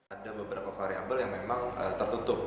ada beberapa variable yang memang tertutup